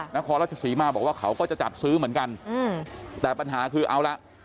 นครราชศรีมาบอกว่าเขาก็จะจัดซื้อเหมือนกันแต่ปัญหาคือเอาละ